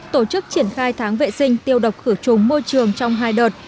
tổ chức triển khai tháng vệ sinh tiêu độc khử trùng môi trường trong hai đợt